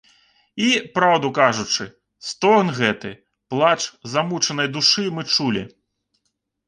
І, праўду кажучы, стогн гэты, плач замучанай душы мы чулі.